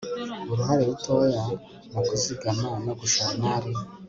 uruhare rutoya mu kuzigama no gushora imali